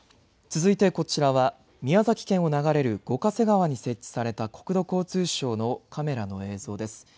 続いてこちらは宮崎県を流れる五ヶ瀬川に設置された国土交通省のカメラの映像です。